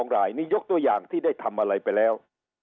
รายนี่ยกตัวอย่างที่ได้ทำอะไรไปแล้ว